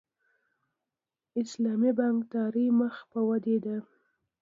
اسلامي بانکداري مخ په ودې ده